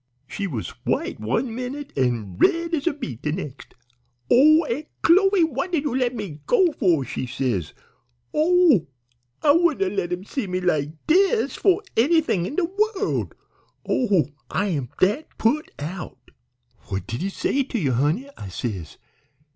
"She was white one minute an' red as a beet the nex'. 'Oh, Aunt Chloe, what did you let me go for?' she says. 'Oh! I wouldn't 'a' let him see me like dis for anythin' in de wo'ld. Oh, I'm dat put out.' "'What did he say to ye, honey?' I says.